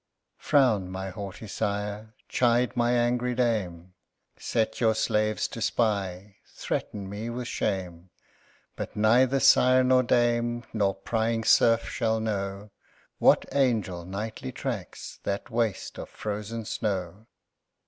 Frown, my haughty sire! chide, my angry dame! Set your slaves to spy; threaten me with shame: But neither sire nor dame, nor prying serf shall know, What angel nightly tracks that waste of frozen snow.